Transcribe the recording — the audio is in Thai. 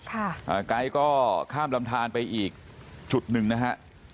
อ่าไก๊ก็ข้ามลำทานไปอีกจุดหนึ่งนะฮะ